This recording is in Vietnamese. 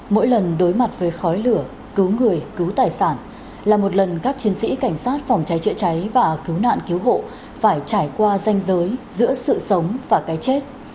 mỗi lần đối mặt với khói lửa cứu người cứu tài sản là một lần các chiến sĩ cảnh sát phòng cháy chữa cháy và cứu nạn cứu hộ phải trải qua danh giới giữa sự sống và cái chết